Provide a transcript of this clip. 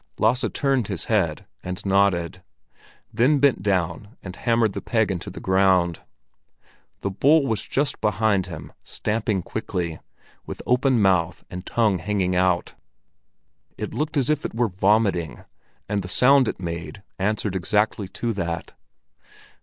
Lasse turned his head and nodded, then bent down and hammered the peg into the ground. The bull was just behind him, stamping quickly, with open mouth and tongue hanging out; it looked as if it were vomiting, and the sound it made answered exactly to that.